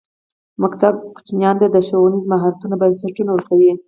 ښوونځی ماشومانو ته د ښوونیزو مهارتونو بنسټونه ورکوي.